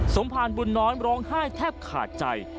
สมภารบุญน้อยร้องไห้แทบขาดใจ